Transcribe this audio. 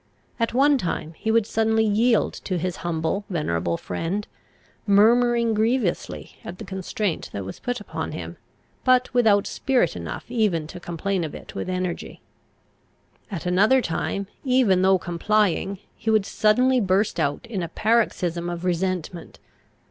At one time he would suddenly yield to his humble, venerable friend, murmuring grievously at the constraint that was put upon him, but without spirit enough even to complain of it with energy. At another time, even though complying, he would suddenly burst out in a paroxysm of resentment.